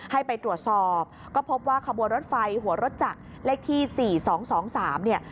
ให้ไปตรวจสอบก็พบว่าขบวนรถไฟหัวรถจักรเลขที่๔๒๒๓เนี่ย